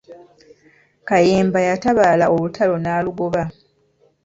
Kayemba yatabaala olutalo n'alugoba.